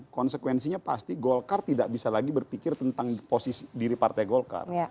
konsekuensinya pasti golkar tidak bisa lagi berpikir tentang posisi diri partai golkar